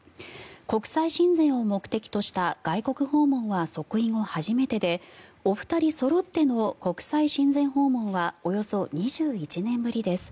国際親善を目的とした外国訪問は即位後初めてでお二人そろっての国際親善訪問はおよそ２１年ぶりです。